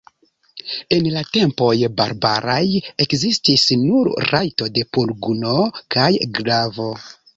En la tempoj barbaraj ekzistis nur rajto de pugno kaj glavo.